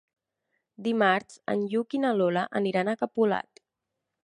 Dimarts en Lluc i na Lola aniran a Capolat.